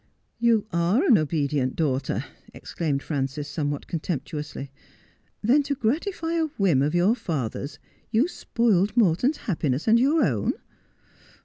' You are an obedient daughter,' exclaimed Frances somewhat contemptuously. ' Then to gratify a whim of your father's you spoiled Morton's happiness and your own.